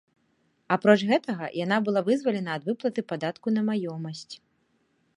Апроч гэтага, яна была вызвалена ад выплаты падатку на маёмасць.